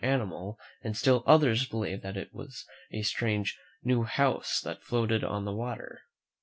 fe^vfefe^€m animal, and still others believed that it was a strange, new house that floated on the water.